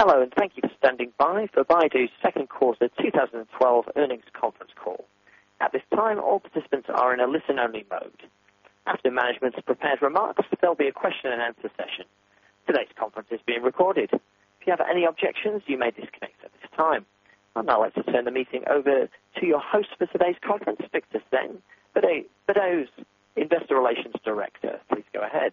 Hello, thank you for standing by for Baidu's second quarter 2012 earnings conference call. At this time, all participants are in a listen-only mode. After management's prepared remarks, there'll be a question and answer session. Today's conference is being recorded. If you have any objections, you may disconnect at this time. I'd now like to turn the meeting over to your host for today's conference, Victor Tseng, Baidu's Investor Relations Director. Please go ahead.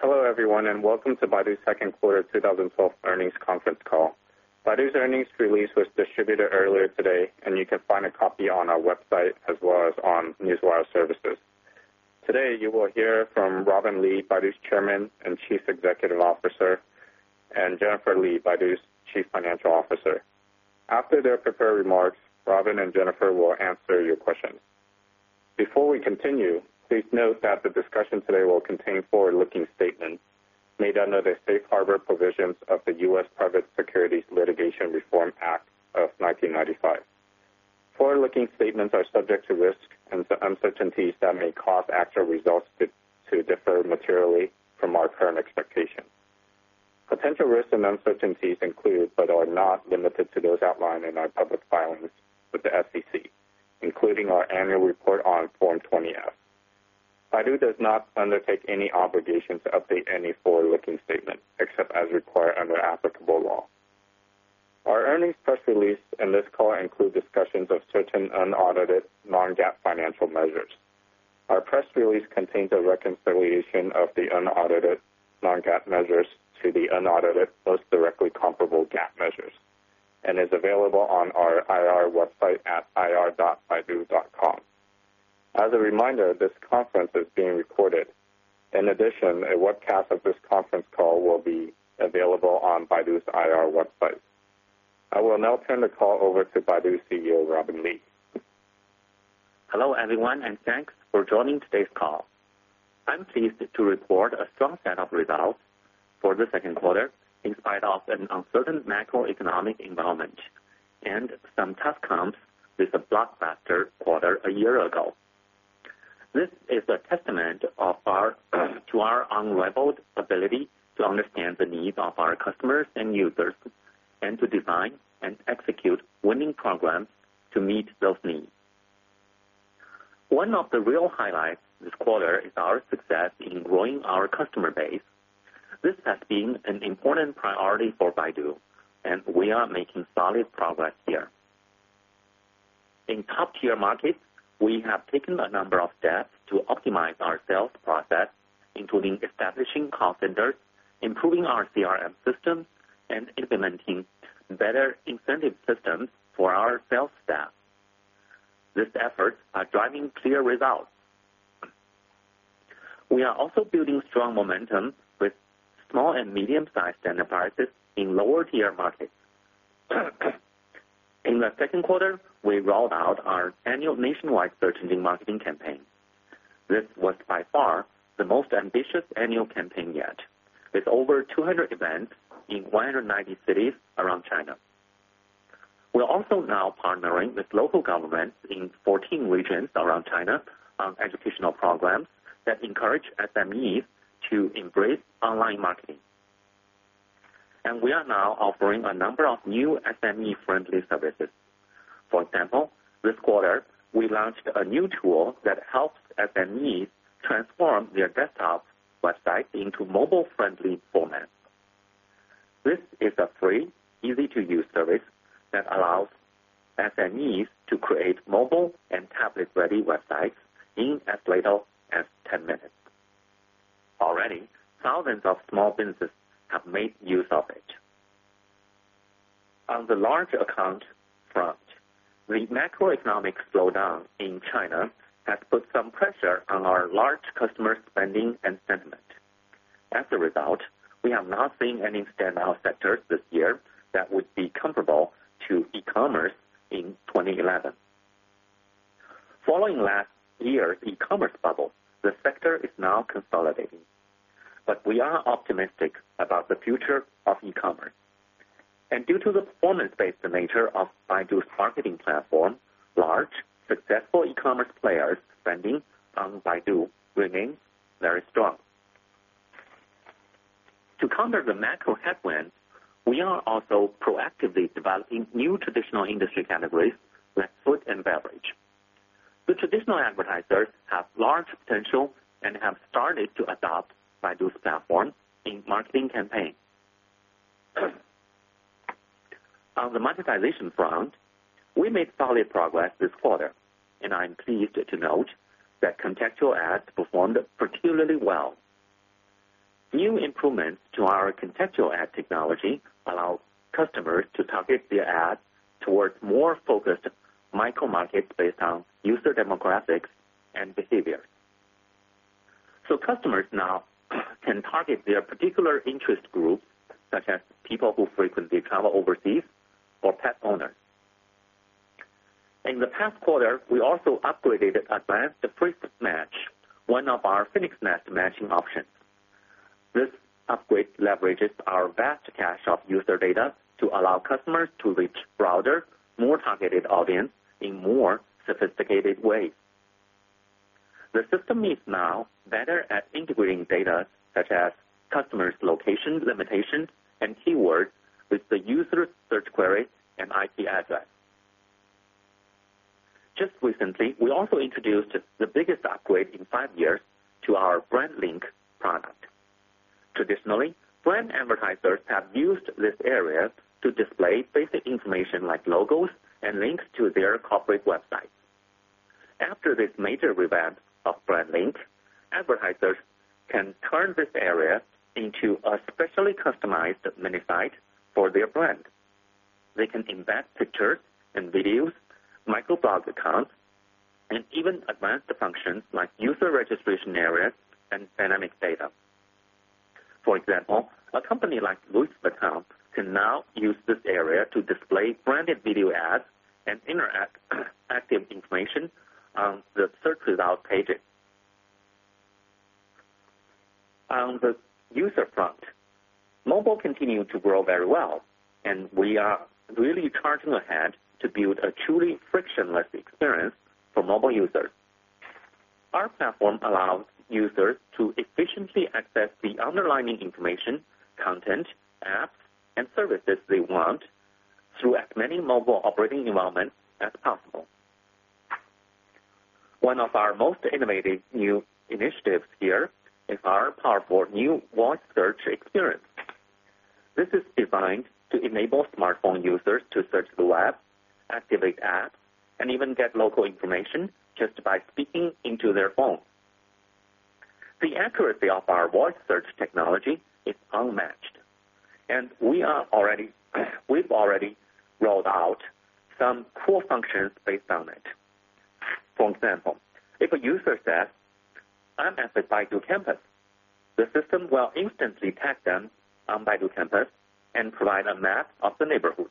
Hello, everyone, welcome to Baidu's second quarter 2012 earnings conference call. Baidu's earnings release was distributed earlier today, and you can find a copy on our website as well as on Newswire services. Today, you will hear from Robin Li, Baidu's Chairman and Chief Executive Officer, and Jennifer Li, Baidu's Chief Financial Officer. After their prepared remarks, Robin and Jennifer will answer your questions. Before we continue, please note that the discussion today will contain forward-looking statements made under the Safe Harbor provisions of the U.S. Private Securities Litigation Reform Act of 1995. Forward-looking statements are subject to risks and uncertainties that may cause actual results to differ materially from our current expectations. Potential risks and uncertainties include, but are not limited to, those outlined in our public filings with the SEC, including our annual report on Form 20-F. Baidu does not undertake any obligation to update any forward-looking statements except as required under applicable law. Our earnings press release and this call include discussions of certain unaudited non-GAAP financial measures. Our press release contains a reconciliation of the unaudited non-GAAP measures to the unaudited most directly comparable GAAP measures and is available on our IR website at ir.baidu.com. As a reminder, this conference is being recorded. In addition, a webcast of this conference call will be available on Baidu's IR website. I will now turn the call over to Baidu CEO, Robin Li. Hello, everyone, thanks for joining today's call. I'm pleased to report a strong set of results for the second quarter, in spite of an uncertain macroeconomic environment and some tough comps with a blockbuster quarter a year ago. This is a testament to our unrivaled ability to understand the needs of our customers and users, and to design and execute winning programs to meet those needs. One of the real highlights this quarter is our success in growing our customer base. This has been an important priority for Baidu, and we are making solid progress here. In top-tier markets, we have taken a number of steps to optimize our sales process, including establishing call centers, improving our CRM systems, and implementing better incentive systems for our sales staff. These efforts are driving clear results. We are also building strong momentum with small and medium-sized enterprises in lower-tier markets. In the second quarter, we rolled out our annual nationwide search engine marketing campaign. This was by far the most ambitious annual campaign yet, with over 200 events in 190 cities around China. We are also now partnering with local governments in 14 regions around China on educational programs that encourage SMEs to embrace online marketing. We are now offering a number of new SME-friendly services. For example, this quarter, we launched a new tool that helps SMEs transform their desktop website into mobile-friendly formats. This is a free, easy-to-use service that allows SMEs to create mobile and tablet-ready websites in as little as 10 minutes. Already, thousands of small businesses have made use of it. On the large account front, the macroeconomic slowdown in China has put some pressure on our large customer spending and sentiment. As a result, we have not seen any standout sectors this year that would be comparable to e-commerce in 2011. Following last year's e-commerce bubble, the sector is now consolidating. We are optimistic about the future of e-commerce. Due to the performance-based nature of Baidu's marketing platform, large, successful e-commerce players' spending on Baidu remains very strong. To counter the macro headwinds, we are also proactively developing new traditional industry categories like food and beverage. The traditional advertisers have large potential and have started to adopt Baidu's platform in marketing campaigns. On the monetization front, we made solid progress this quarter, and I am pleased to note that contextual ads performed particularly well. New improvements to our contextual ad technology allow customers to target their ads towards more focused micro markets based on user demographics and behavior. Customers now can target their particular interest group, such as people who frequently travel overseas or pet owners. In the past quarter, we also upgraded advanced phrase match, one of our Phoenix Nest matching options. This upgrade leverages our vast cache of user data to allow customers to reach broader, more targeted audience in more sophisticated ways. The system is now better at integrating data such as customers' location limitations and keywords with the user search query and IP address. Just recently, we also introduced the biggest upgrade in five years to our Brand Link product. Traditionally, brand advertisers have used this area to display basic information like logos and links to their corporate website. After this major revamp of Brand Link, advertisers can turn this area into a specially customized mini site for their brand. They can embed pictures and videos, micro blog accounts, and even advanced functions like user registration areas and dynamic data. For example, a company like Louis Vuitton can now use this area to display branded video ads and interactive information on the search results pages. On the user front, mobile continued to grow very well. We are really charging ahead to build a truly frictionless experience for mobile users. Our platform allows users to efficiently access the underlying information, content, apps, and services they want through as many mobile operating environments as possible. One of our most innovative new initiatives here is our powerful new voice search experience. This is designed to enable smartphone users to search the web, activate apps, and even get local information just by speaking into their phone. The accuracy of our voice search technology is unmatched. We've already rolled out some core functions based on it. For example, if a user says, "I'm at the Baidu campus," the system will instantly tag them on Baidu campus and provide a map of the neighborhood.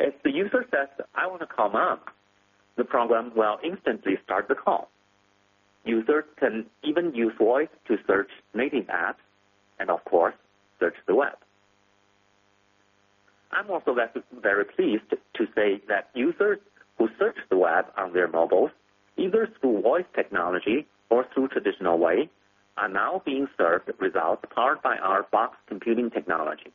If the user says, "I want to call Mom," the program will instantly start the call. Users can even use voice to search native apps and, of course, search the web. I'm also very pleased to say that users who search the web on their mobiles, either through voice technology or through traditional way, are now being served results powered by our box computing technology.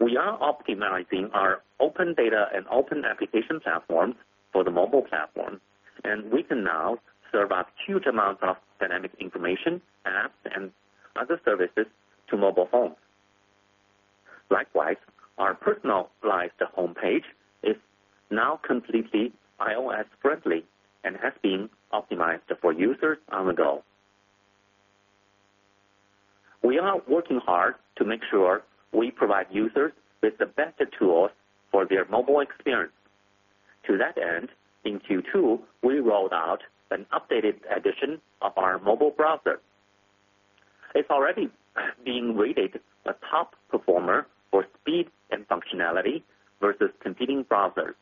We are optimizing our open data and open application platform for the mobile platform, and we can now serve up huge amounts of dynamic information, apps, and other services to mobile phones. Likewise, our personalized homepage is now completely iOS friendly and has been optimized for users on the go. We are working hard to make sure we provide users with the best tools for their mobile experience. To that end, in Q2, we rolled out an updated edition of our mobile browser. It's already being rated a top performer for speed and functionality versus competing browsers,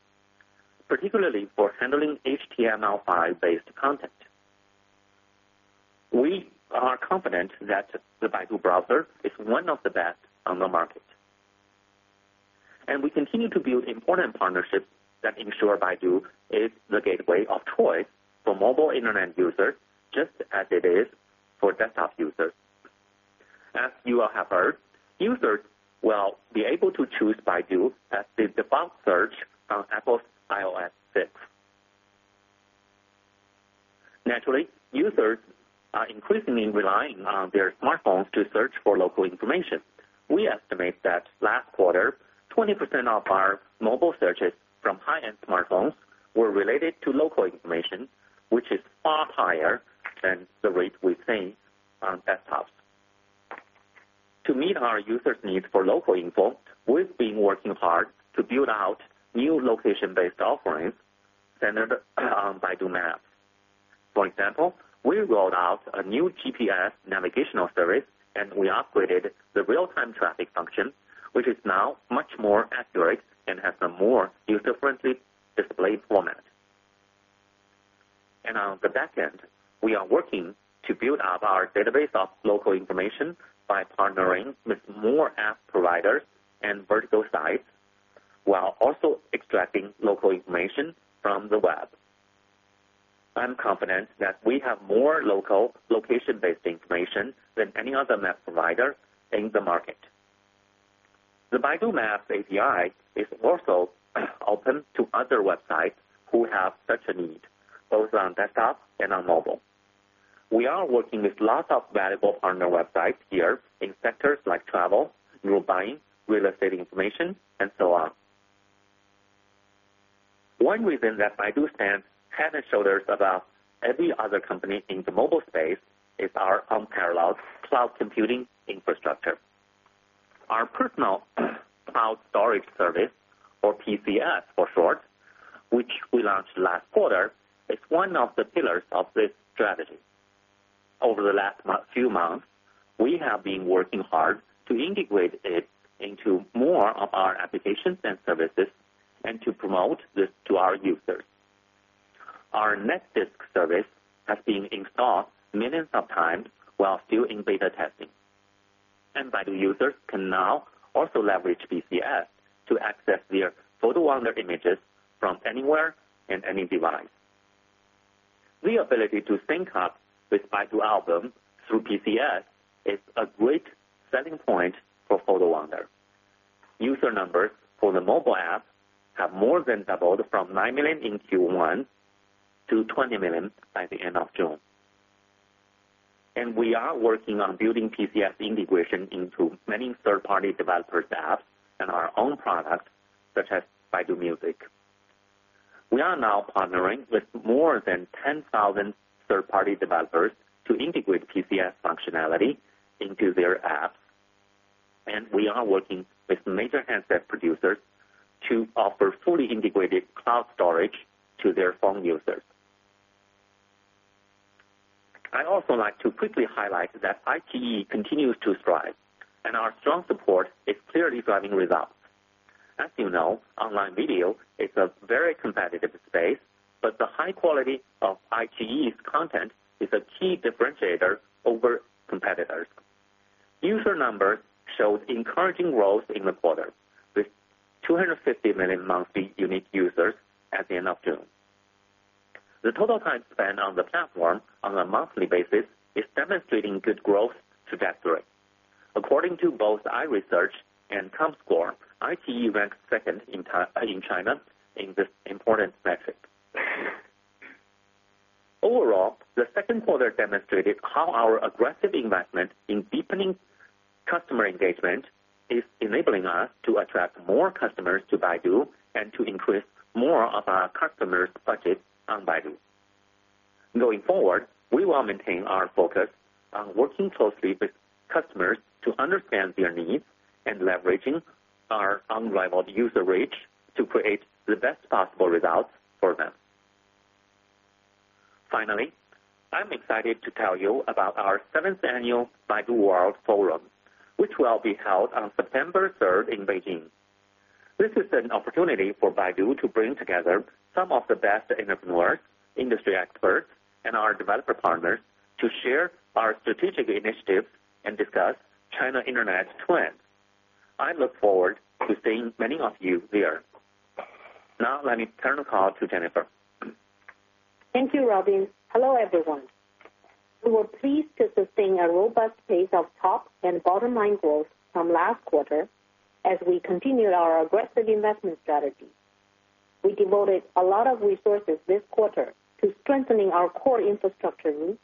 particularly for handling HTML5-based content. We are confident that the Baidu browser is one of the best on the market. We continue to build important partnerships that ensure Baidu is the gateway of choice for mobile Internet users, just as it is for desktop users. As you will have heard, users will be able to choose Baidu as the default search on Apple's iOS 6. Naturally, users are increasingly relying on their smartphones to search for local information. We estimate that last quarter, 20% of our mobile searches from high-end smartphones were related to local information, which is far higher than the rate we've seen on desktops. To meet our users' needs for local info, we've been working hard to build out new location-based offerings centered on Baidu Maps. For example, we rolled out a new GPS navigational service. We upgraded the real-time traffic function, which is now much more accurate and has a more user-friendly display format. On the back end, we are working to build up our database of local information by partnering with more app providers and vertical sites while also extracting local information from the web. I'm confident that we have more local, location-based information than any other map provider in the market. The Baidu Maps API is also open to other websites who have such a need, both on desktop and on mobile. We are working with lots of valuable partner websites here in sectors like travel, mobile buying, real estate information, and so on. One reason that Baidu stands head and shoulders above every other company in the mobile space is our unparalleled cloud computing infrastructure. Our Personal Cloud Storage service, or PCS for short, which we launched last quarter, is one of the pillars of this strategy. Over the last few months, we have been working hard to integrate it into more of our applications and services and to promote this to our users. Our NetDisk service has been installed millions of times while still in beta testing. Baidu users can now also leverage PCS to access their Photo Wonder images from anywhere, in any device. The ability to sync up with Baidu Album through PCS is a great selling point for Photo Wonder. User numbers for the mobile app have more than doubled from nine million in Q1 to 20 million by the end of June. We are working on building PCS integration into many third-party developers' apps and our own products, such as Baidu Music. We are now partnering with more than 10,000 third-party developers to integrate PCS functionality into their apps. We are working with major handset producers to offer fully integrated cloud storage to their phone users. I'd also like to quickly highlight that iQIYI continues to thrive. Our strong support is clearly driving results. As you know, online video is a very competitive space, but the high quality of iQIYI's content is a key differentiator over competitors. User numbers showed encouraging growth in the quarter, with 250 million monthly unique users at the end of June. The total time spent on the platform on a monthly basis is demonstrating good growth trajectory. According to both iResearch and comScore, iQIYI ranks second in China in this important metric. Overall, the second quarter demonstrated how our aggressive investment in deepening customer engagement is enabling us to attract more customers to Baidu and to increase more of our customers' budget on Baidu. Going forward, we will maintain our focus on working closely with customers to understand their needs and leveraging our unrivaled user reach to create the best possible results for them. Finally, I'm excited to tell you about our seventh annual Baidu World Conference, which will be held on September 3rd in Beijing. This is an opportunity for Baidu to bring together some of the best entrepreneurs, industry experts, and our developer partners to share our strategic initiatives and discuss China internet trends. I look forward to seeing many of you there. Now let me turn the call to Jennifer. Thank you, Robin. Hello, everyone. We were pleased to sustain a robust pace of top and bottom-line growth from last quarter as we continued our aggressive investment strategy. We devoted a lot of resources this quarter to strengthening our core infrastructure needs,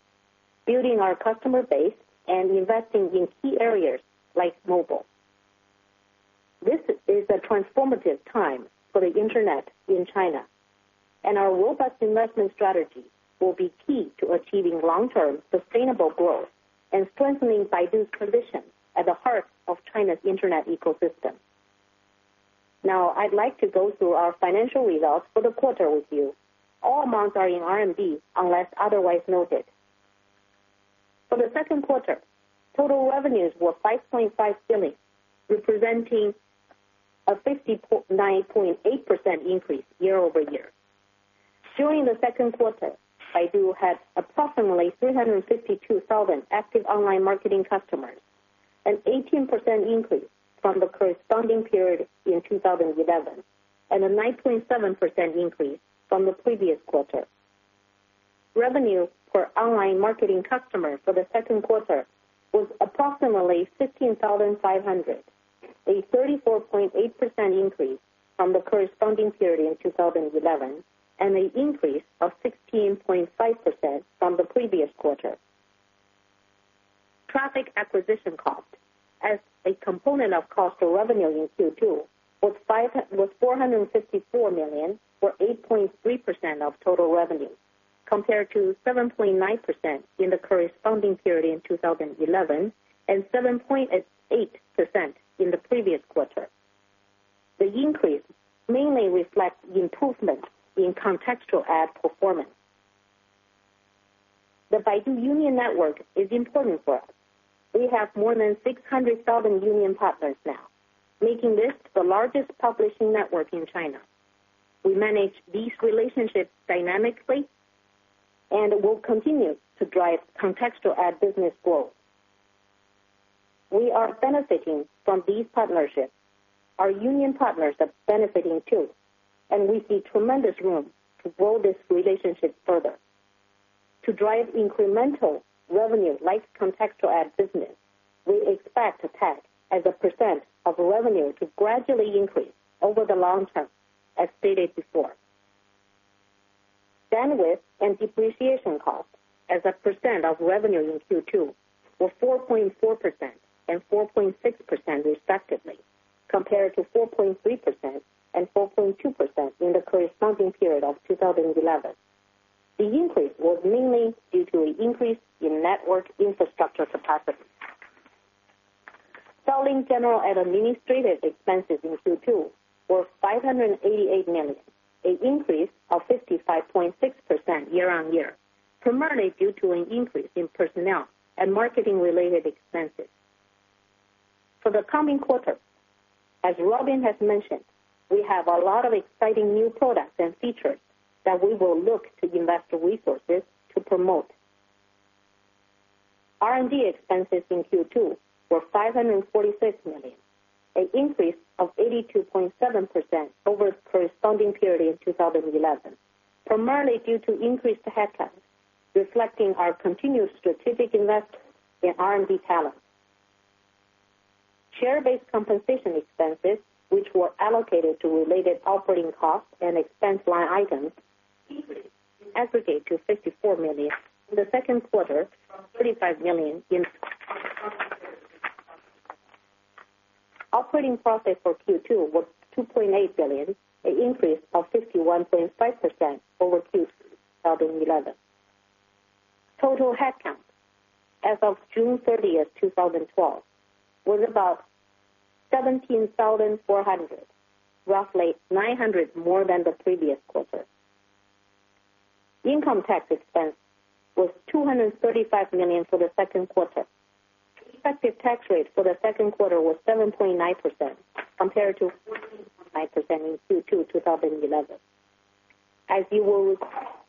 building our customer base, and investing in key areas like mobile. This is a transformative time for the internet in China. Our robust investment strategy will be key to achieving long-term sustainable growth and strengthening Baidu's position at the heart of China's internet ecosystem. Now, I'd like to go through our financial results for the quarter with you. All amounts are in RMB, unless otherwise noted. For the second quarter, total revenues were 5.5 billion, representing a 59.8% increase year-over-year. During the second quarter, Baidu had approximately 352,000 active online marketing customers, an 18% increase from the corresponding period in 2011, and a 9.7% increase from the previous quarter. Revenue per online marketing customer for the second quarter was approximately 15,500, a 34.8% increase from the corresponding period in 2011, and an increase of 16.5% from the previous quarter. Traffic acquisition cost as a component of cost of revenue in Q2 was $454 million or 8.3% of total revenue, compared to 7.9% in the corresponding period in 2011 and 7.8% in the previous quarter. The increase mainly reflects improvement in contextual ad performance. The Baidu Union is important for us. We have more than 600,000 Union partners now, making this the largest publishing network in China. We manage these relationships dynamically and will continue to drive contextual ad business growth. We are benefiting from these partnerships. Our Union partners are benefiting too. We see tremendous room to grow this relationship further. To drive incremental revenue like contextual ad business, we expect TAC as a % of revenue to gradually increase over the long term, as stated before. Bandwidth and depreciation costs as a % of revenue in Q2 were 4.4% and 4.6%, respectively, compared to 4.3% and 4.2% in the corresponding period of 2011. The increase was mainly due to an increase in network infrastructure capacity. Selling, general, and administrative expenses in Q2 were $588 million, an increase of 55.6% year-on-year, primarily due to an increase in personnel and marketing-related expenses. For the coming quarter, as Robin has mentioned, we have a lot of exciting new products and features that we will look to invest resources to promote. R&D expenses in Q2 were $546 million, an increase of 82.7% over the corresponding period in 2011, primarily due to increased headcount, reflecting our continued strategic investment in R&D talent. Share-based compensation expenses, which were allocated to related operating costs and expense line items, increased in aggregate to $54 million in the second quarter, from $35 million in. Operating profit for Q2 was $2.8 billion, an increase of 51.5% over Q2 2011. Total headcount as of June 30th, 2012, was about 17,400, roughly 900 more than the previous quarter. Income tax expense was $235 million for the second quarter. Effective tax rate for the second quarter was 7.9% compared to 14.9% in Q2 2011. As you will recall,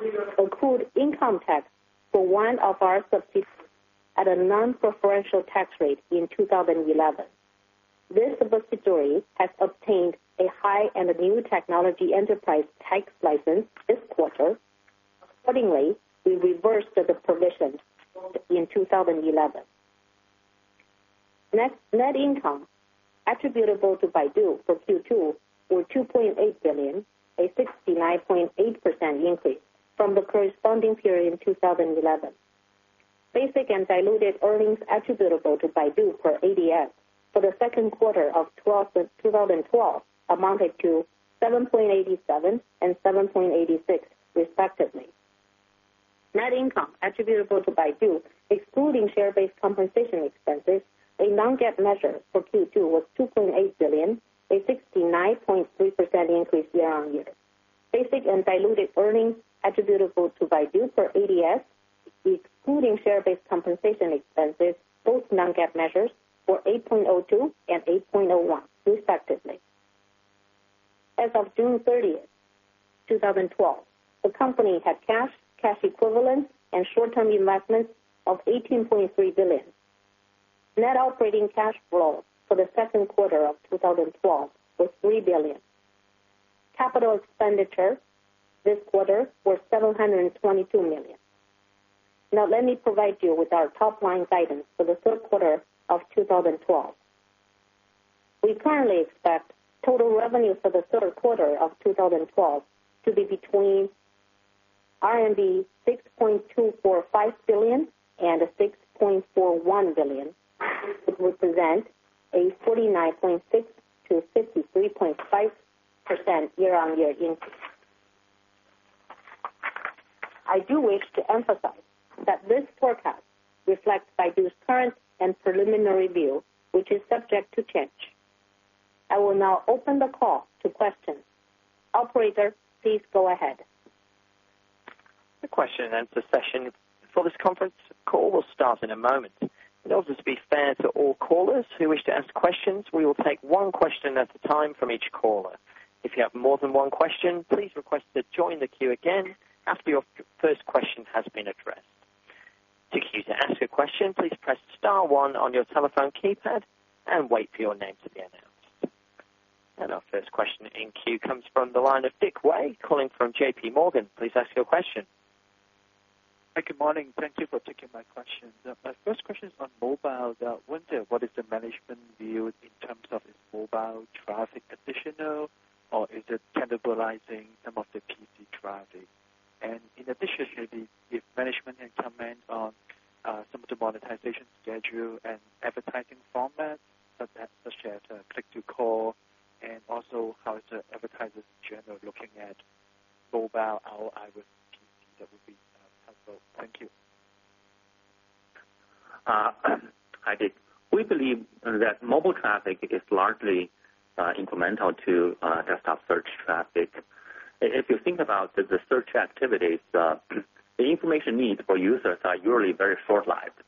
we recorded income tax for one of our subsidiaries at a non-preferential tax rate in 2011. This subsidiary has obtained a high and new technology enterprise tax license this quarter. Accordingly, we reversed the provision in 2011. Net income attributable to Baidu for Q2 was $2.8 billion, a 69.8% increase from the corresponding period in 2011. Basic and diluted earnings attributable to Baidu per ADS for the second quarter of 2012 amounted to 7.87 and 7.86 respectively. Net income attributable to Baidu, excluding share-based compensation expenses, a non-GAAP measure for Q2, was $2.8 billion, a 69.3% increase year-on-year. Basic and diluted earnings attributable to Baidu per ADS, excluding share-based compensation expenses, both non-GAAP measures, were 8.02 and 8.01 respectively. As of June 30th, 2012, the company had cash equivalents, and short-term investments of $18.3 billion. Net operating cash flow for the second quarter of 2012 was $3 billion. Capital expenditures this quarter were $722 million. Let me provide you with our top-line guidance for the third quarter of 2012. We currently expect total revenue for the third quarter of 2012 to be between RMB 6.245 billion and 6.41 billion, which would present a 49.6%-53.5% year-on-year increase. I do wish to emphasize that this forecast reflects Baidu's current and preliminary view, which is subject to change. I will now open the call to questions. Operator, please go ahead. The question and answer session for this conference call will start in a moment. In order to be fair to all callers who wish to ask questions, we will take one question at a time from each caller. If you have more than one question, please request to join the queue again after your first question has been addressed. To queue to ask a question, please press *1 on your telephone keypad and wait for your name to be announced. Our first question in queue comes from the line of Dick Wei calling from J.P. Morgan. Please ask your question. Hi, good morning. Thank you for taking my questions. My first question is on mobile. I wonder what is the management view in terms of, is mobile traffic additional, or is it cannibalizing some of the PC traffic? In addition, maybe if management can comment on some of the monetization schedule and advertising formats, such as click-to-call, and also how is the advertisers in general looking at mobile ROI versus PC, that would be helpful. Thank you. Hi, Dick. We believe that mobile traffic is largely incremental to desktop search traffic. If you think about the search activities, the information needs for users are usually very short-lived.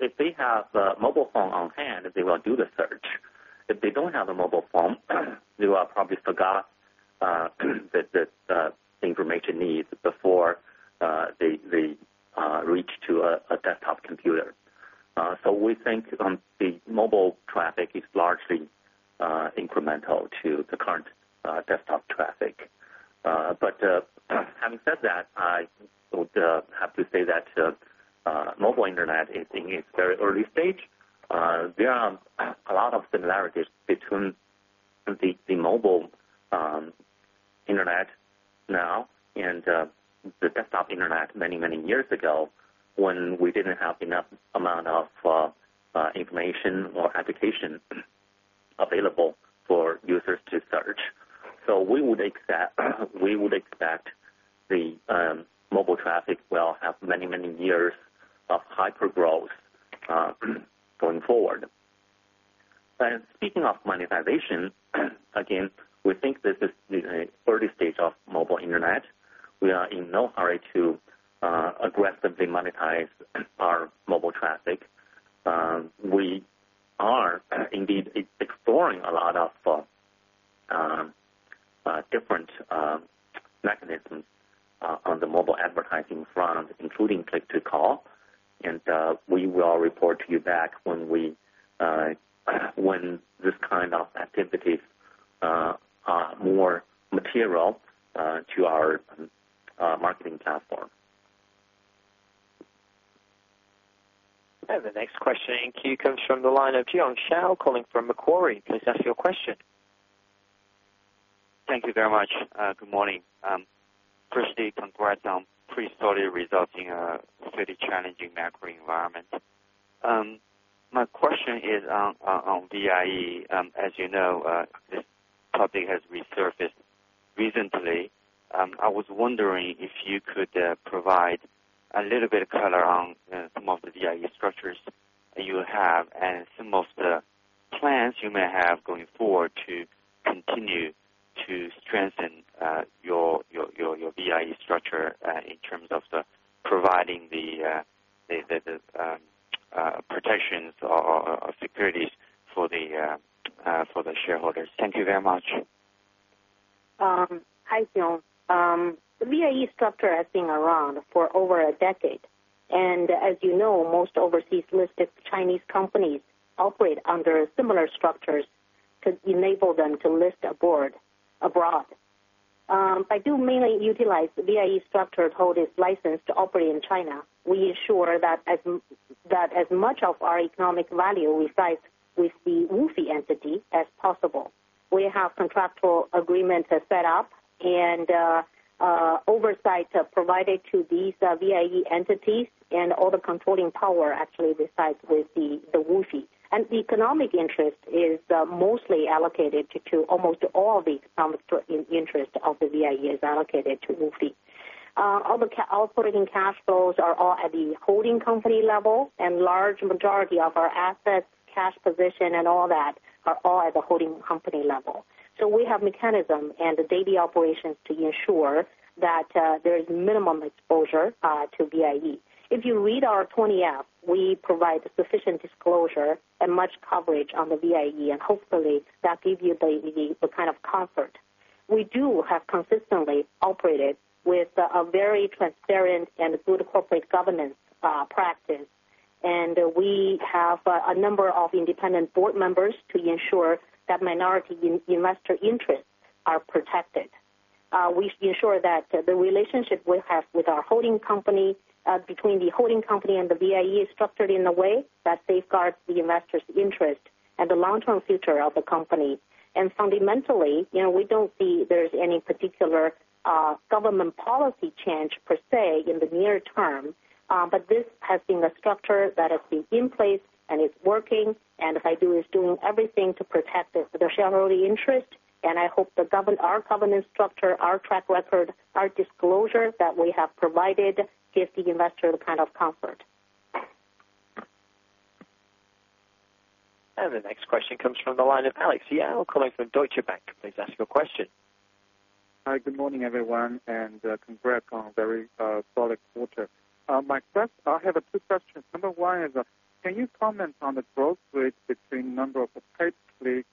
If they have a mobile phone on hand, they will do the search. If they don't have a mobile phone, they will probably forgot the information needs before they reach to a desktop computer. We think the mobile traffic is largely incremental to the current desktop traffic. Having said that, I would have to say that mobile internet is in its very early stage. There are a lot of similarities between the mobile internet now and the desktop internet many years ago when we didn't have enough amount of information or application available for users to search. We would expect the mobile traffic will have many years of hyper-growth going forward. Speaking of monetization Again, we think this is in the early stage of mobile Internet. We are in no hurry to aggressively monetize our mobile traffic. We are indeed exploring a lot of different mechanisms on the mobile advertising front, including click-to-call, and we will report to you back when this kind of activities are more material to our marketing platform. The next question in queue comes from the line of Jin Yoon, calling from Nomura. Please ask your question. Thank you very much. Good morning. Christy, congrats on pretty solid results in a pretty challenging macro environment. My question is on VIE. As you know, this topic has resurfaced recently. I was wondering if you could provide a little bit of color on some of the VIE structures that you have and some of the plans you may have going forward to continue to strengthen your VIE structure in terms of providing the protections or securities for the shareholders. Thank you very much. Hi, Jin. The VIE structure has been around for over a decade, and as you know, most overseas listed Chinese companies operate under similar structures to enable them to list abroad. Baidu mainly utilize VIE structure to hold its license to operate in China. We ensure that as much of our economic value resides with the WFOE entity as possible. We have contractual agreements set up and oversight provided to these VIE entities, and all the controlling power actually resides with the WFOE. Economic interest is mostly allocated to almost all the economic interest of the VIE is allocated to WFOE. All operating cash flows are all at the holding company level, and large majority of our assets, cash position, and all that are all at the holding company level. We have mechanism and the daily operations to ensure that there is minimum exposure to VIE. If you read our 20F, we provide sufficient disclosure and much coverage on the VIE, hopefully that gives you the kind of comfort. We do have consistently operated with a very transparent and good corporate governance practice, and we have a number of independent board members to ensure that minority investor interests are protected. We ensure that the relationship we have with our holding company, between the holding company and the VIE, is structured in a way that safeguards the investors' interest and the long-term future of the company. Fundamentally, we don't see there's any particular government policy change per se in the near term. This has been a structure that has been in place and is working, Baidu is doing everything to protect the shareholder interest, I hope our governance structure, our track record, our disclosure that we have provided gives the investor the kind of comfort. The next question comes from the line of Alex Yao, calling from Deutsche Bank. Please ask your question. Hi, good morning, everyone, congrats on a very solid quarter. I have two questions. Number one is, can you comment on the growth rate between number of paid clicks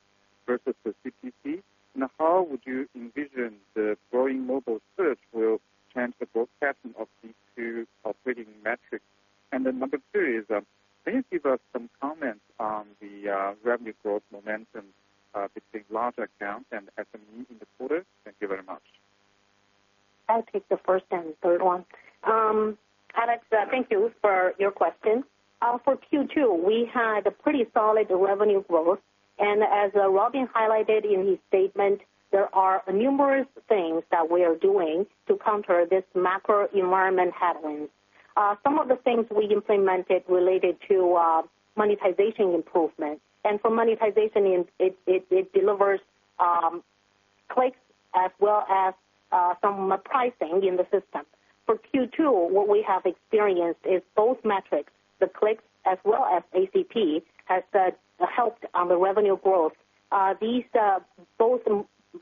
versus the CPC? How would you envision the growing mobile search will change the broadcasting of these two operating metrics? Number two is, can you give us some comments on the revenue growth momentum between large accounts and SMEs in the quarter? Thank you very much. I'll take the first and the third one. Alex, thank you for your question. For Q2, we had a pretty solid revenue growth, as Robin highlighted in his statement, there are numerous things that we are doing to counter this macro environment headwinds. Some of the things we implemented related to monetization improvement. For monetization, it delivers clicks as well as some pricing in the system. For Q2, what we have experienced is both metrics, the clicks as well as ACP, has helped on the revenue growth. Both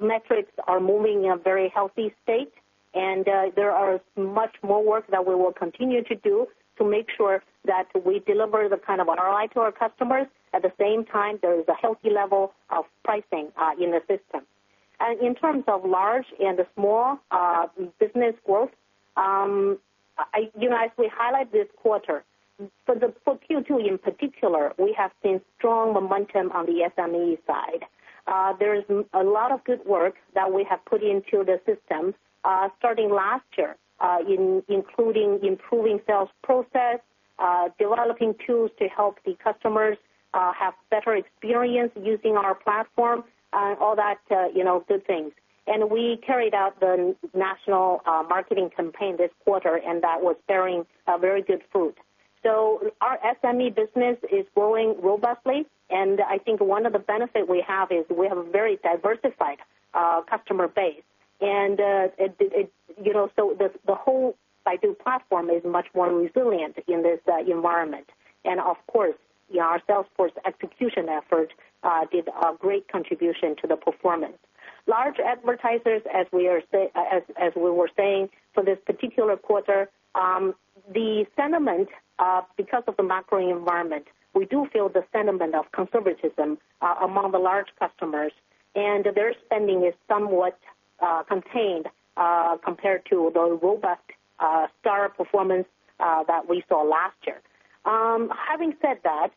metrics are moving in a very healthy state, and there are much more work that we will continue to do to make sure that we deliver the kind of ROI to our customers. At the same time, there is a healthy level of pricing in the system. In terms of large and small business growth, as we highlight this quarter, for Q2 in particular, we have seen strong momentum on the SME side. There is a lot of good work that we have put into the system starting last year, including improving sales process, developing tools to help the customers have better experience using our platform, and all that good things. We carried out the national marketing campaign this quarter, and that was bearing a very good fruit. Our SME business is growing robustly, I think one of the benefit we have is we have a very diversified Customer base. The whole Baidu platform is much more resilient in this environment. Of course, our sales force execution effort did a great contribution to the performance. Large advertisers, as we were saying, for this particular quarter, the sentiment, because of the macro environment, we do feel the sentiment of conservatism among the large customers, and their spending is somewhat contained, compared to the robust startup performance that we saw last year. Having said that,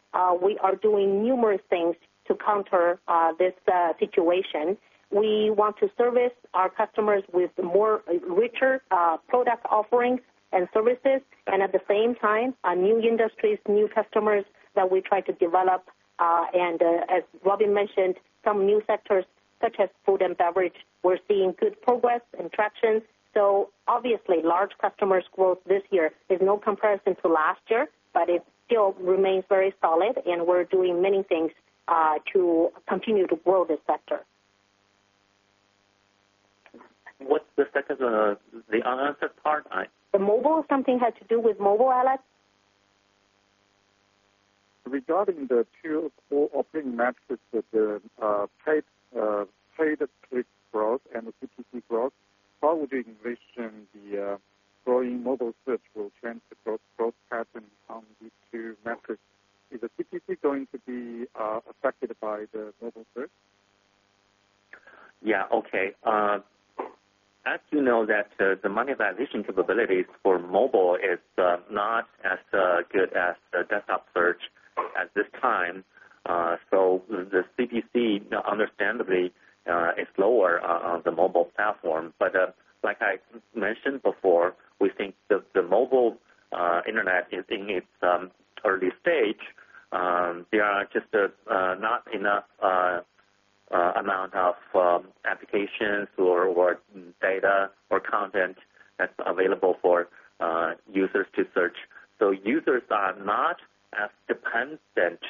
we are doing numerous things to counter this situation. We want to service our customers with more richer product offerings and services, and at the same time, new industries, new customers that we try to develop. As Robin mentioned, some new sectors such as food and beverage, we're seeing good progress and traction. Obviously large customers growth this year is no comparison to last year, but it still remains very solid and we're doing many things to continue to grow this sector. What's the second, the unanswered part? The mobile, something had to do with mobile, Alex? Regarding the two core operating metrics with the paid click growth and the CPC growth, how would the increase in the growing mobile search will change the growth pattern on these two metrics? Is the CPC going to be affected by the mobile search? Yeah. Okay. As you know that the monetization capabilities for mobile is not as good as the desktop search at this time. The CPC understandably is lower on the mobile platform. Like I mentioned before, we think the mobile internet is in its early stage. There are just not enough amount of applications or data or content that's available for users to search. Users are not as dependent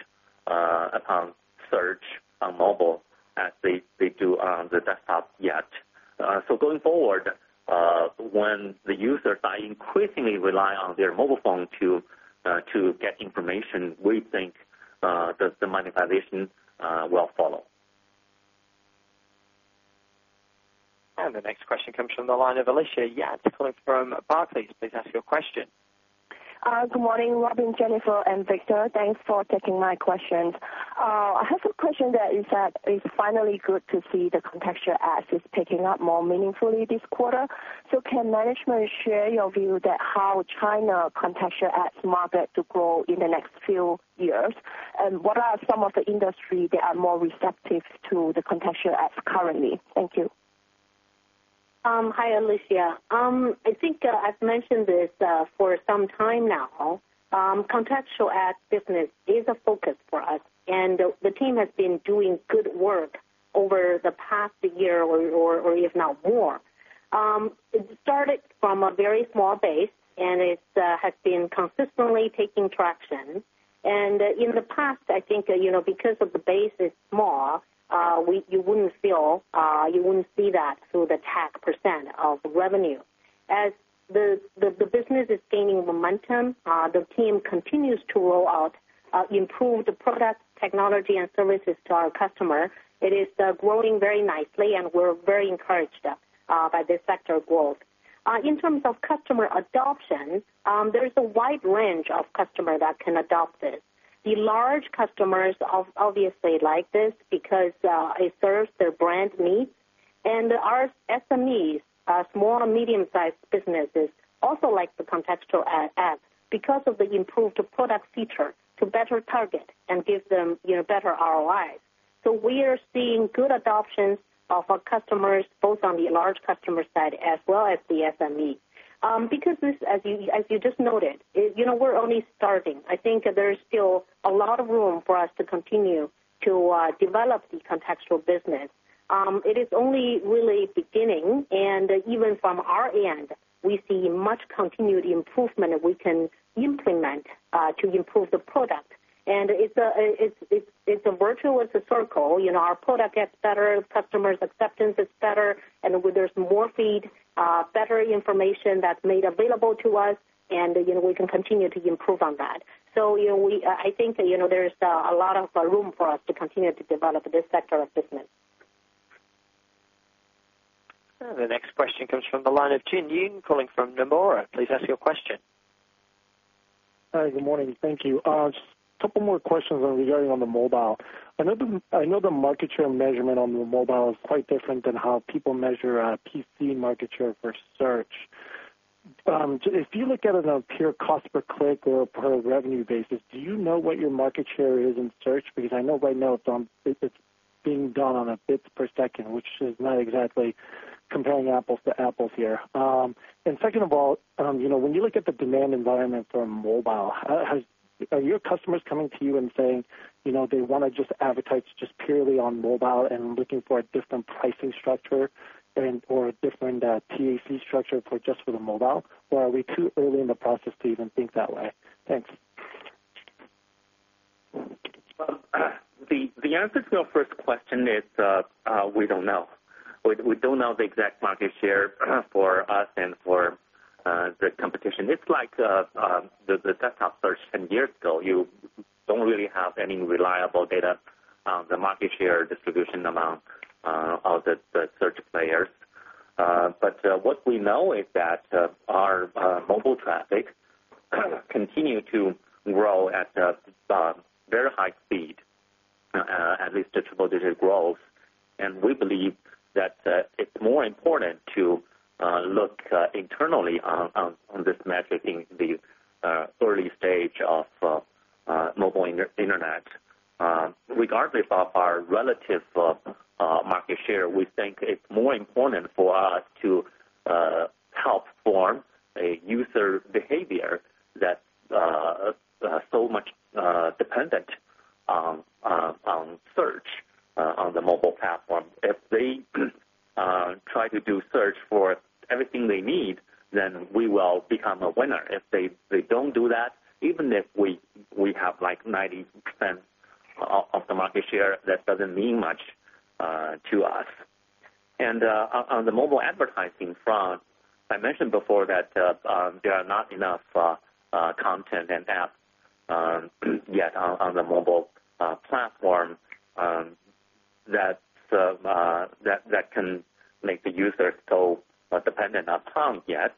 upon search on mobile as they do on the desktop yet. Going forward, when the users are increasingly rely on their mobile phone to get information, we think that the monetization will follow. The next question comes from the line of Alicia Yap calling from Barclays. Please ask your question. Good morning, Robin, Jennifer, and Victor. Thanks for taking my questions. I have a question that it's finally good to see the contextual ads is picking up more meaningfully this quarter. Can management share your view that how China contextual ads market to grow in the next few years? What are some of the industries that are more receptive to the contextual ads currently? Thank you. Hi, Alicia. I think I've mentioned this for some time now. Contextual ads business is a focus for us, and the team has been doing good work over the past year or if not more. It started from a very small base, and it has been consistently taking traction. In the past, I think, because of the base is small, you wouldn't see that through the TAC percent of revenue. As the business is gaining momentum, the team continues to roll out improved product technology and services to our customers. It is growing very nicely, and we're very encouraged by this sector growth. In terms of customer adoption, there is a wide range of customers that can adopt this. The large customers obviously like this because it serves their brand needs. Our SMEs, small and medium-sized businesses, also like the contextual ads because of the improved product features to better target and give them better ROIs. We are seeing good adoption of our customers, both on the large customer side as well as the SME. As you just noted, we're only starting. I think there's still a lot of room for us to continue to develop the contextual business. It is only really beginning, and even from our end, we see much continued improvement we can implement to improve the product. It's a virtuous circle. Our product gets better, customers' acceptance is better, and there's more feed, better information that's made available to us, and we can continue to improve on that. I think there is a lot of room for us to continue to develop this sector of business. The next question comes from the line of Jin Yoon calling from Nomura. Please ask your question. Good morning. Thank you. Just couple more questions regarding on the mobile. I know the market share measurement on the mobile is quite different than how people measure a PC market share for search. If you look at it on a pure cost per click or per revenue basis, do you know what your market share is in search? Because I know right now it's being done on a bits per second, which is not exactly comparing apples to apples here. Second of all, when you look at the demand environment for mobile, are your customers coming to you and saying, they want to just advertise just purely on mobile and looking for a different pricing structure or a different TAC structure for just for the mobile? Or are we too early in the process to even think that way? Thanks. Well, the answer to your first question is, we don't know. We don't know the exact market share for us and for the competition. It's like the desktop search 10 years ago. You don't really have any reliable data on the market share distribution among all the search players. What we know is that our mobile traffic continue to grow at a very high speed, at least a triple-digit growth. We believe that it's more important to look internally on this metric in the early stage of mobile internet. Regardless of our relative market share, we think it's more important for us to help form a user behavior that's so much dependent on search on the mobile platform. If they try to do search for everything they need, then we will become a winner. If they don't do that, even if we have 90% of the market share, that doesn't mean much to us. On the mobile advertising front, I mentioned before that there are not enough content and apps yet on the mobile platform that can make the user so dependent on them yet.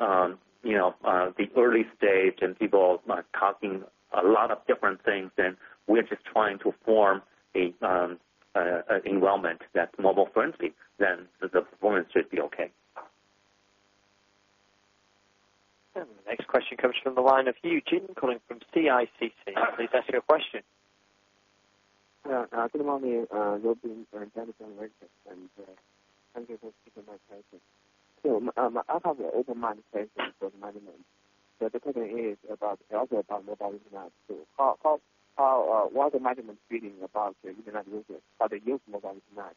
to make their sites more mobile-friendly and get a better sense on how they measure the performance. On our side, there are a lot of things we can do, and we are also trying very hard to help our customers to establish this kind of mobile-friendly environment so that they can advertise on the mobile more. It's really the early stage, and people are talking a lot of different things, and we're just trying to form an environment that's mobile-friendly, then the performance should be okay. The next question comes from the line of Yu Jin, calling from CICC. Please ask your question. Good morning, Robin, and thank you for keeping my patience. I have an open mind for the management. The question is also about mobile internet, too. What is the management feeling about the internet users, how they use mobile internet?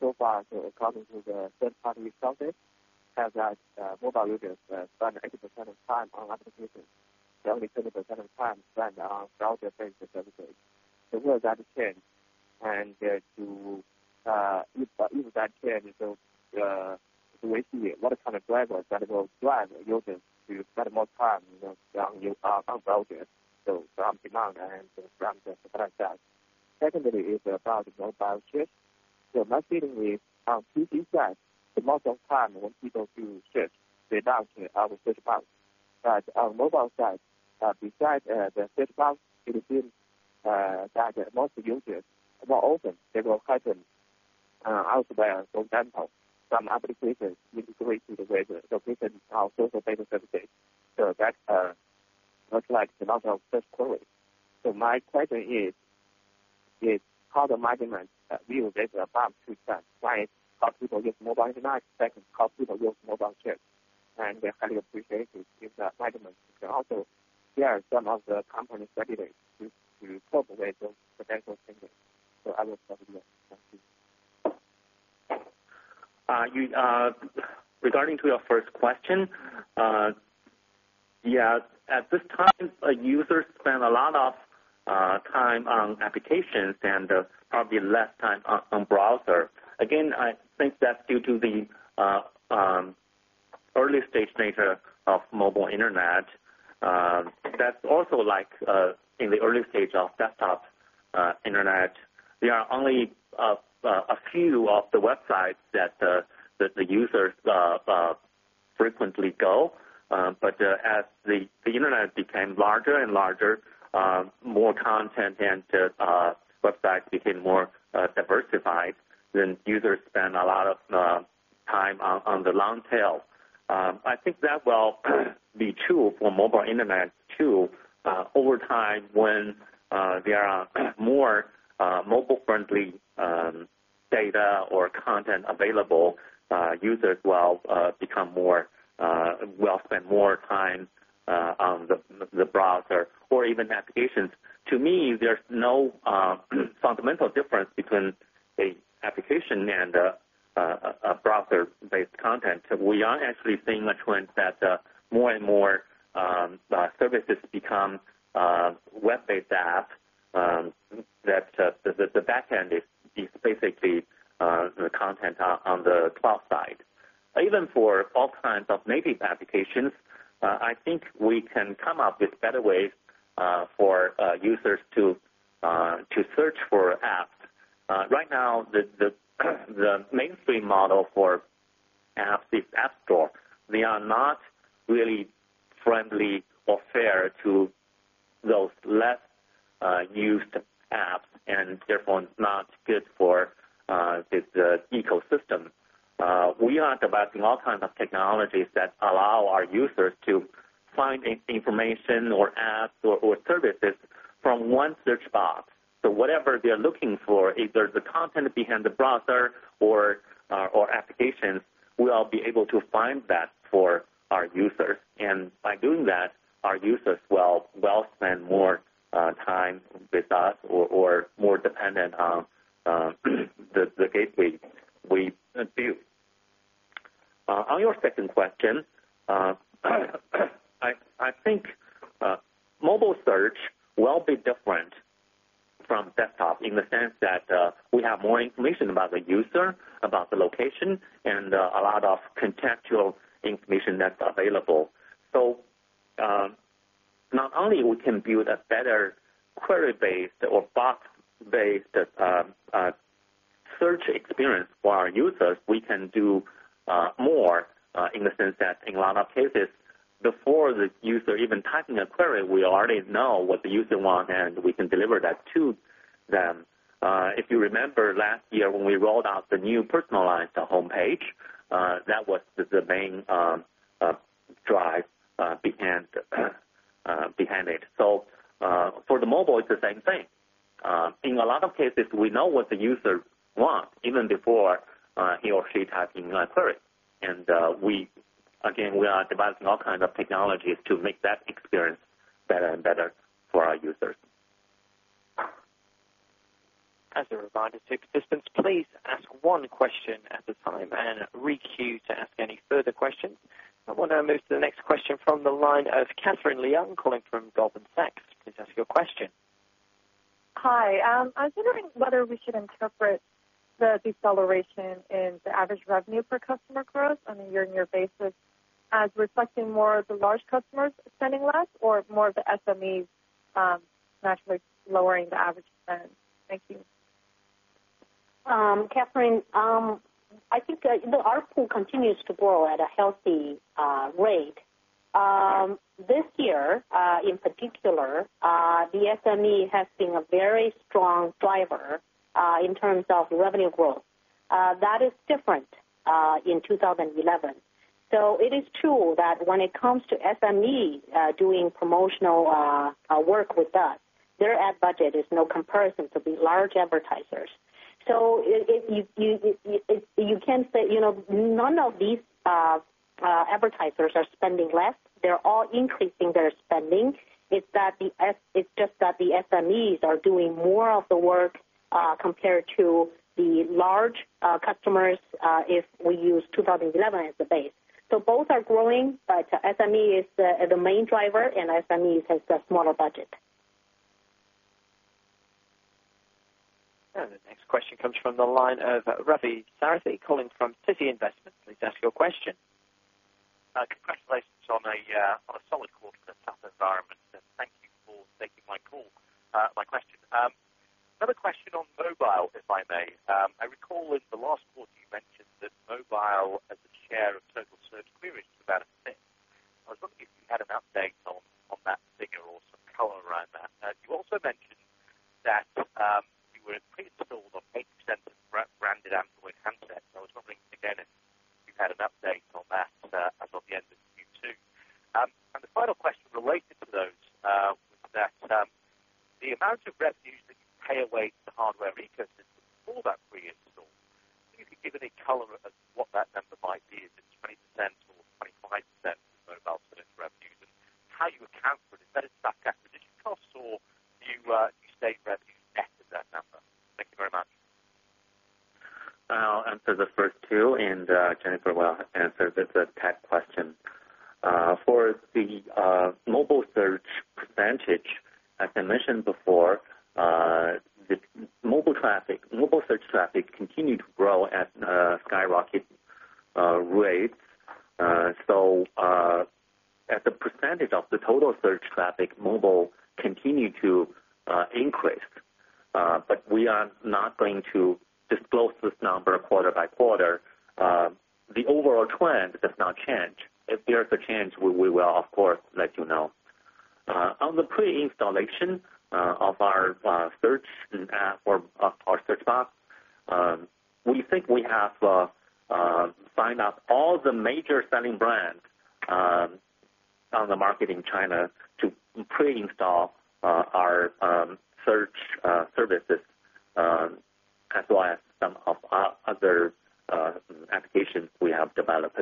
So far, according to the third-party sources, has that mobile users spend 80% of time on applications and only 20% of time spent on browser-based services. Will that change? With that change, what kind of drivers that will drive users to spend more time on browsers from demand and from the supply side? Secondly, it's about mobile apps. My feeling is, on PC side, most of time when people do search, they launch out of search bars. On mobile side, besides the search bars, it seems that most users, more often, they will happen elsewhere. For example, some applications integrating different social media services. That looks like the amount of search queries. My question is, how the management view this above two trends, why some people use mobile internet, second, how people use mobile apps, and we highly appreciate it if the management can also share some of the company strategies to cope with those potential changes. I will stop here. Thank you. Regarding to your first question. At this time, users spend a lot of time on applications and probably less time on browser. Again, I think that's due to the early stage nature of mobile internet. That's also like in the early stage of desktop internet. There are only a few of the websites that the users frequently go, as the internet became larger and larger, more content and websites became more diversified, users spend a lot of time on the long tail. I think that will be true for mobile internet, too. Over time, when there are more mobile-friendly data or content available, users will spend more time on the browser or even applications. To me, there's no fundamental difference between a application and a browser-based content. We are actually seeing a trend that more and more services become web-based apps. The back end is basically the content on the cloud side. Even for all kinds of native applications, I think we can come up with better ways for users to search for apps. Right now, the mainstream model for apps is App Store. They are not really friendly or fair to those less used apps, therefore, it's not good for this ecosystem. We are developing all kinds of technologies that allow our users to find information or apps or services from one search box. Whatever they're looking for, either the content behind the browser or applications, we'll be able to find that for our users. By doing that, our users will spend more time with us or more dependent on the gateway Baidu. On your second question, I think mobile search will be different from desktop in the sense that we have more information about the user, about the location, and a lot of contextual information that's available. Not only we can build a better query-based or box-based search experience for our users, we can do more in the sense that in a lot of cases, before the user even typing a query, we already know what the user want, and we can deliver that to them. If you remember last year when we rolled out the new personalized homepage, that was the main drive behind it. For the mobile, it's the same thing. In a lot of cases, we know what the user want even before he or she types in a query. Again, we are devising all kinds of technologies to make that experience better and better for our users. As a reminder to participants, please ask one question at a time and re-queue to ask any further questions. I want to move to the next question from the line of Catherine Leung, calling from Goldman Sachs. Please ask your question. Hi. I was wondering whether we should interpret the deceleration in the average revenue per customer growth on a year-on-year basis as reflecting more of the large customers spending less or more of the SMEs naturally lowering the average spend. Thank you. Catherine, I think our ARPU continues to grow at a healthy rate. This year, in particular, the SME has been a very strong driver in terms of revenue growth. That is different in 2011. It is true that when it comes to SME doing promotional work with us, their ad budget is no comparison to the large advertisers. You can say none of these advertisers are spending less. They're all increasing their spending. It's just that the SMEs are doing more of the work compared to the large customers, if we use 2011 as the base. Both are growing, but SME is the main driver, and SMEs has the smaller budget. The next question comes from the line of Ravi Sarathy, calling from Citi Investment. Please ask your question. Congratulations on a solid quarter in a tough environment, and thank you for taking my call. My question. Another question on mobile, if I may. I recall in the last quarter, you mentioned that mobile as a share of total search queries was about six. I was wondering if you had an update on that figure or some color around that. You also mentioned that you were pre-installed on 80% of branded Android handsets. I was wondering again if you had an update on that as of the end of Q2. The final question related to those was that the amount of revenues that you pay away to the hardware ecosystem for that pre-install, if you could give any color as to what that number might be, is it 20% or 25% of mobile-related revenues, and how you account for it. Is that a stock acquisition cost or do you state revenue net of that number? Thank you very much. I'll answer the first two, Jennifer will answer the TAC question. For the mobile search percentage, as I mentioned before, mobile search traffic continued to grow at skyrocket rates. As a percentage of the total search traffic, mobile continued to increase. We are not going to disclose this number quarter by quarter. The overall trend does not change. If there is a change, we will, of course, let you know. On the pre-installation of our search app or our search box, we think we have signed up all the major selling brands on the market in China to pre-install our search services, as well as some of our other applications we have developed.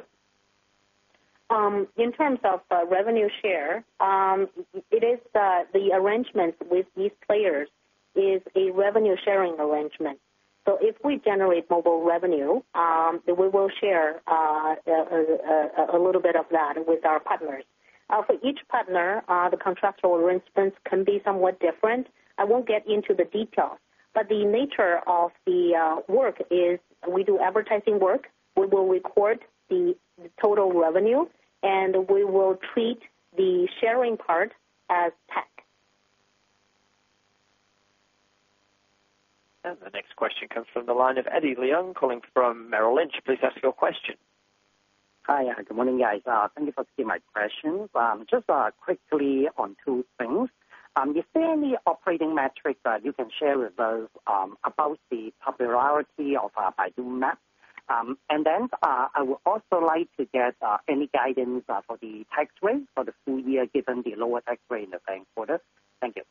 In terms of revenue share, the arrangement with these players is a revenue-sharing arrangement. If we generate mobile revenue, then we will share a little bit of that with our partners. For each partner, the contractual arrangements can be somewhat different. I won't get into the details, the nature of the work is we do advertising work. We will record the total revenue, we will treat the sharing part as TAC. The next question comes from the line of Eddie Leung, calling from Merrill Lynch. Please ask your question. Hi. Good morning, guys. Thank you for taking my questions. Just quickly on two things. Is there any operating metrics that you can share with us about the popularity of Baidu Maps? I would also like to get any guidance for the tax rate for the full year, given the lower tax rate in the bank quarter. Thank you.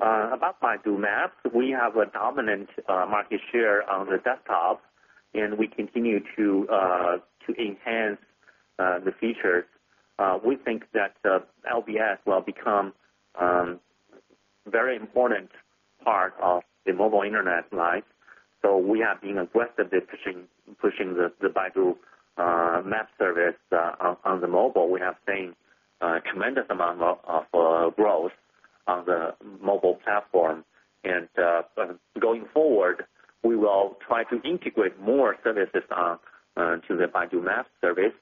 About Baidu Maps, we have a dominant market share on the desktop, and we continue to enhance the features. We think that LBS will become very important part of the mobile Internet life. We have been aggressively pushing the Baidu Maps service on the mobile. We have seen a tremendous amount of growth on the mobile platform. Going forward, we will try to integrate more services to the Baidu Maps service.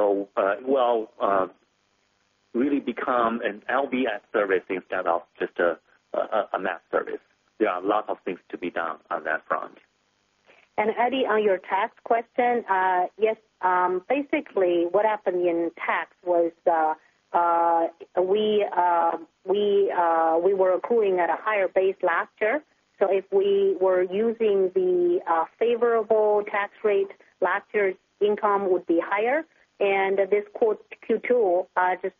It will really become an LBS service instead of just a map service. There are lots of things to be done on that front. Eddie, on your tax question, yes. Basically, what happened in tax was we were accruing at a higher base last year, so if we were using the favorable tax rate, last year's income would be higher. This Q2, just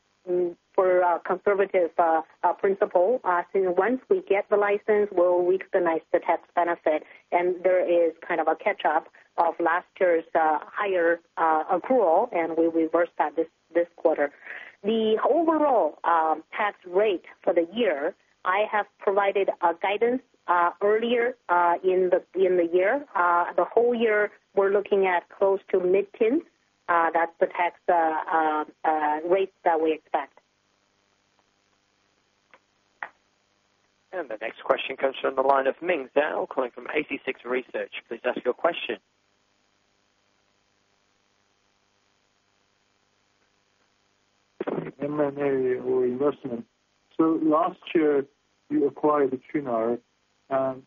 for a conservative principle, once we get the license, we'll recognize the tax benefit. There is kind of a catch-up of last year's higher accrual, and we reversed that this quarter. The overall tax rate for the year, I have provided a guidance earlier in the year. The whole year, we're looking at close to mid-teens. That's the tax rate that we expect. The next question comes from the line of Ming Zhao, calling from 86Research. Please ask your question. M&A or investment. Last year, you acquired Qunar.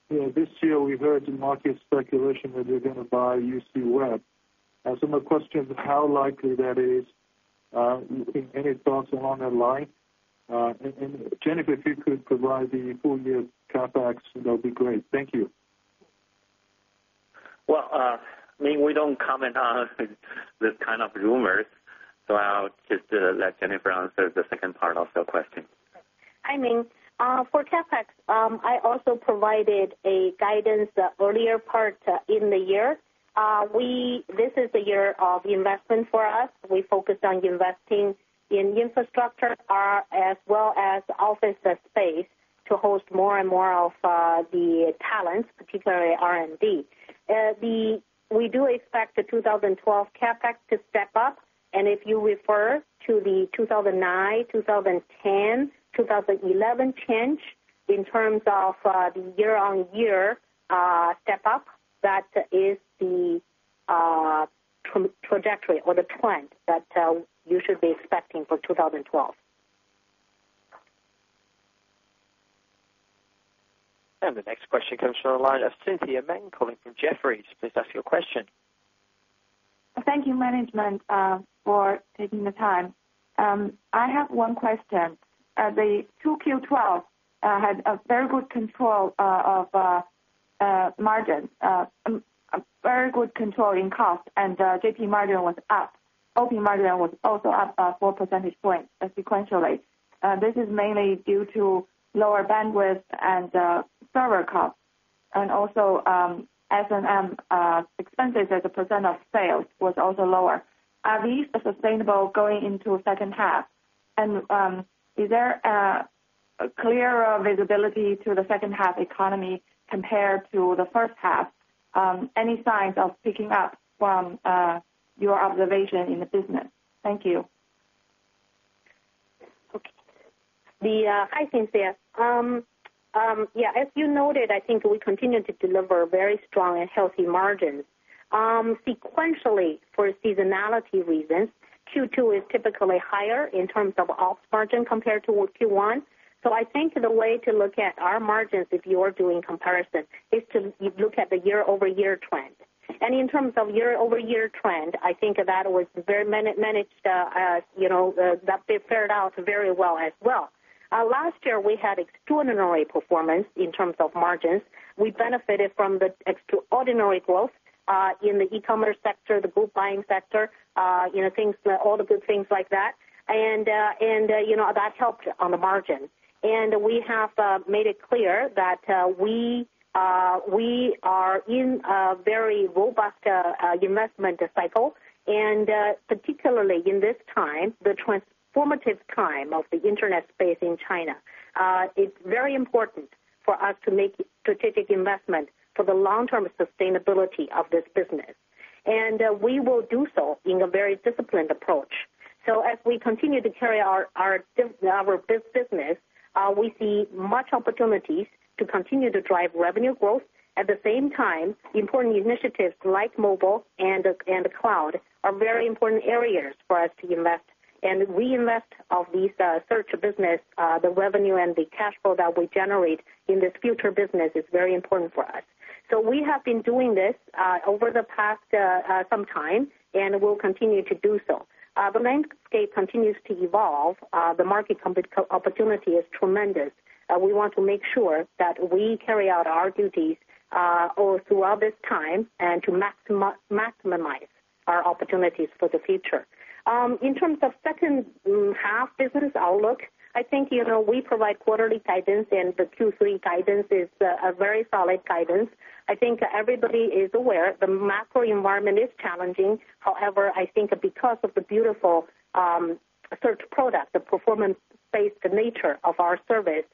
This year we heard market speculation that you're going to buy UCWeb. My question is, how likely that is? Any thoughts along that line? Jennifer, if you could provide the full year CapEx, that'd be great. Thank you. Well, Ming, we don't comment on this kind of rumors. I'll just let Jennifer answer the second part of your question. Hi, Ming. For CapEx, I also provided a guidance earlier part in the year. This is the year of investment for us. We focus on investing in infrastructure, as well as office space to host more and more of the talents, particularly R&D. We do expect the 2012 CapEx to step up, and if you refer to the 2009, 2010, 2011 change in terms of the year-on-year step-up, that is the trajectory or the trend that you should be expecting for 2012. The next question comes from the line of Cynthia Meng, calling from Jefferies. Please ask your question. Thank you, management, for taking the time. I have one question. The 2Q12 had a very good control of margin, a very good control in cost, GP margin was up. OP margin was also up four percentage points sequentially. This is mainly due to lower bandwidth and server costs, and also S&M expenses as a % of sales was also lower. Are these sustainable going into second half? Is there a clearer visibility to the second half economy compared to the first half? Any signs of picking up from your observation in the business? Thank you. Okay. Hi, Cynthia. Yeah, as you noted, I think we continue to deliver very strong and healthy margins. Sequentially, for seasonality reasons, Q2 is typically higher in terms of ops margin compared to Q1. I think the way to look at our margins, if you're doing comparison, is to look at the year-over-year trend. In terms of year-over-year trend, I think that was very managed, that fared out very well as well. Last year, we had extraordinary performance in terms of margins. We benefited from the extraordinary growth in the e-commerce sector, the group buying sector, all the good things like that, and that helped on the margin. We have made it clear that We are in a very robust investment cycle, particularly in this time, the transformative time of the Internet space in China, it's very important for us to make strategic investment for the long-term sustainability of this business. We will do so in a very disciplined approach. As we continue to carry our business, we see much opportunities to continue to drive revenue growth. At the same time, important initiatives like mobile and the cloud are very important areas for us to invest. We invest of these search business, the revenue and the cash flow that we generate in this future business is very important for us. We have been doing this over the past some time and will continue to do so. The landscape continues to evolve. The market opportunity is tremendous. We want to make sure that we carry out our duties all throughout this time and to maximize our opportunities for the future. In terms of second half business outlook, I think, we provide quarterly guidance. The Q3 guidance is a very solid guidance. I think everybody is aware the macro environment is challenging. However, I think because of the beautiful search product, the performance-based nature of our service,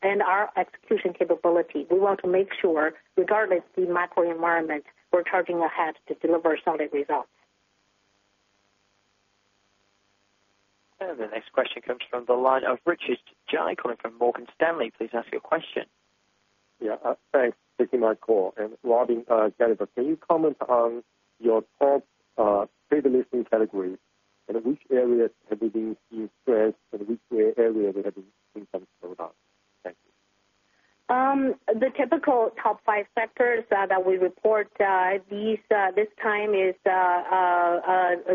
and our execution capability, we want to make sure regardless the macro environment, we're charging ahead to deliver solid results. The next question comes from the line of Richard Ji, calling from Morgan Stanley. Please ask your question. Yeah. Thanks for taking my call. Robin Li, can you comment on your top paid listing categories and which areas have you been seeing strength and which area have you seen some slowdown? Thank you. The typical top five sectors that we report this time is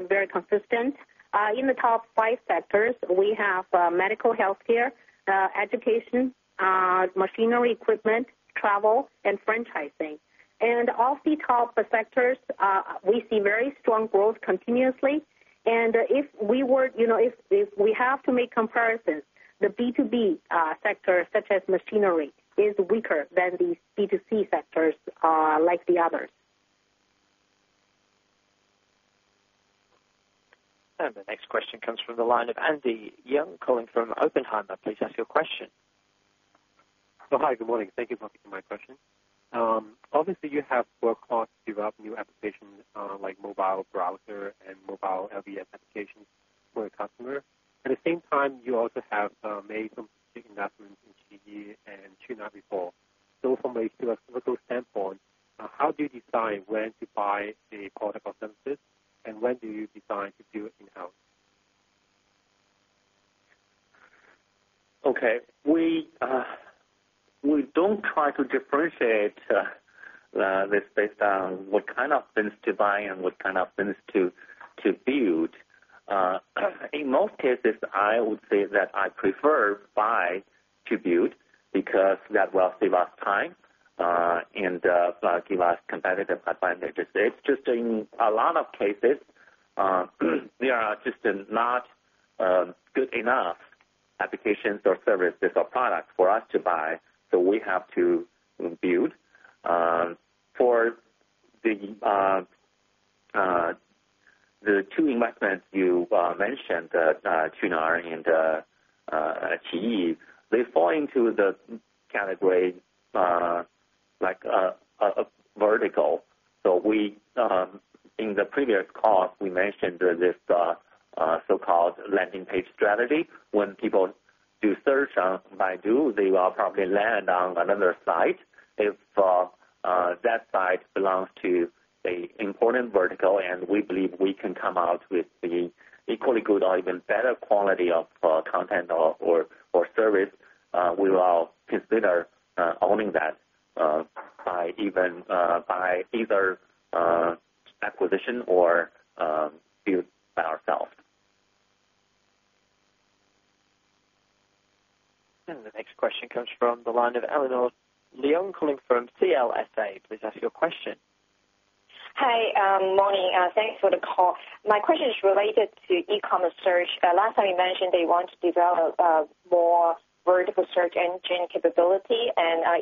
very consistent. In the top five sectors, we have medical healthcare, education, machinery equipment, travel, and franchising. All these top sectors, we see very strong growth continuously. If we have to make comparisons, the B2B sector, such as machinery, is weaker than the B2C sectors like the others. The next question comes from the line of Andy Yeung calling from Oppenheimer. Please ask your question. Hi, good morning. Thank you for taking my question. Obviously, you have work on develop new applications like mobile browser and mobile LBS applications for the customer. At the same time, you also have made some strategic investments in Anjuke and Qunar before. From a statistical standpoint, how do you decide when to buy a product or services and when do you decide to do it in-house? Okay. We don't try to differentiate based on what kind of things to buy and what kind of things to build. In most cases, I would say that I prefer buy to build because that will save us time and give us competitive advantages. It's just in a lot of cases, there are just not good enough applications or services or products for us to buy, so we have to build. For the two investments you mentioned, Qunar and Anjuke, they fall into the category like a vertical. In the previous call, we mentioned this so-called landing page strategy. When people do search on Baidu, they will probably land on another site. If that site belongs to a important vertical and we believe we can come out with the equally good or even better quality of content or service, we will consider owning that by either acquisition or build by ourselves. The next question comes from the line of Elinor Leung calling from CLSA. Please ask your question. Hi. Morning. Thanks for the call. My question is related to e-commerce search. Last time you mentioned that you want to develop a more vertical search engine capability.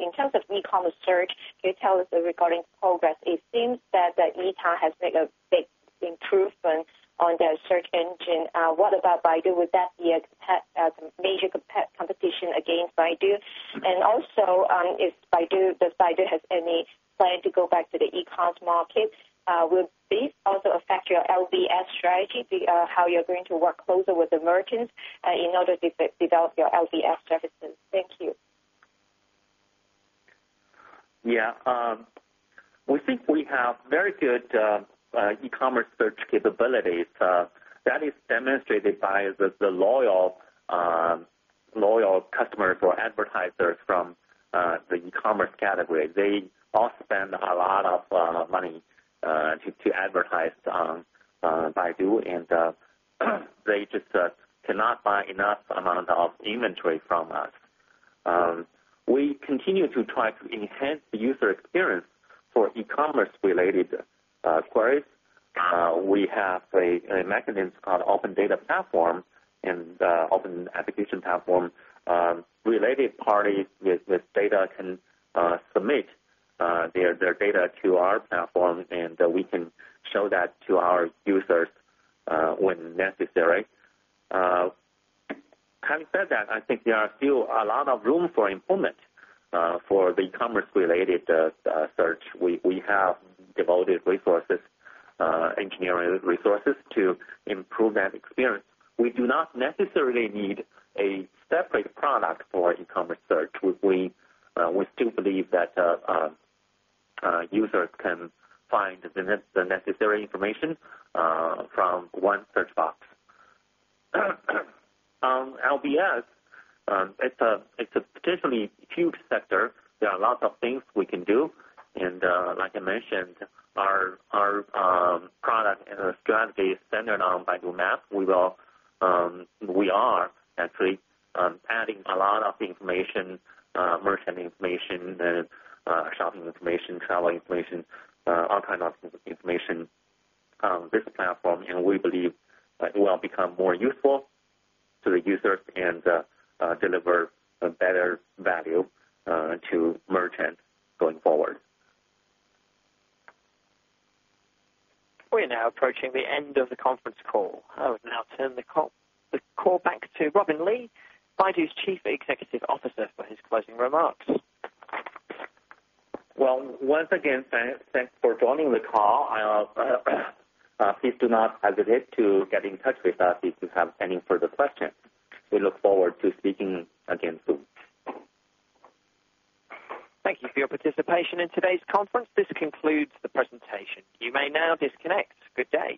In terms of e-commerce search, can you tell us regarding progress? It seems that eTao has made a big improvement on their search engine. What about Baidu? Would that be a major competition against Baidu? Also, if Baidu has any plan to go back to the e-com market, will this also affect your LBS strategy, how you're going to work closer with the merchants in order to develop your LBS services? Thank you. Yeah. We think we have very good e-commerce search capabilities. That is demonstrated by the loyal customers or advertisers from the e-commerce category. They all spend a lot of money to advertise on Baidu, and they just cannot buy enough amount of inventory from us. We continue to try to enhance the user experience for e-commerce related queries. We have a mechanism called Open Data Platform and Open Application Platform. Related parties with data can submit their data to our platform, and we can show that to our users when necessary. Having said that, I think there are still a lot of room for improvement for the commerce-related search. We have devoted resources, engineering resources, to improve that experience. We do not necessarily need a separate product for e-commerce search. We still believe that users can find the necessary information from one search box. On LBS, it's a potentially huge sector. There are lots of things we can do. Like I mentioned, our product and our strategy is centered on Baidu Maps. We are actually adding a lot of information, merchant information and shopping information, travel information, all kind of information on this platform, and we believe it will become more useful to the users and deliver a better value to merchant going forward. We are now approaching the end of the conference call. I would now turn the call back to Robin Li, Baidu's Chief Executive Officer, for his closing remarks. Well, once again, thanks for joining the call. Please do not hesitate to get in touch with us if you have any further questions. We look forward to speaking again soon. Thank you for your participation in today's conference. This concludes the presentation. You may now disconnect. Good day.